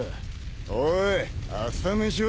おい朝飯は？